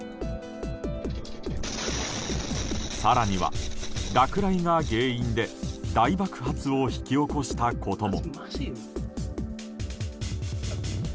更には、落雷が原因で大爆発を引き起こしたことも。